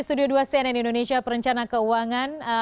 studio dua cnn indonesia perencana keuangan